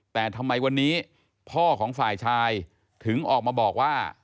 แต่ทำไมวันนี้พ่อของฝ่ายชายถึงออกมาบอกว่า